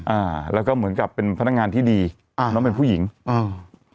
อ่าแล้วก็เหมือนกับเป็นพนักงานที่ดีอ่าน้องเป็นผู้หญิงอ่า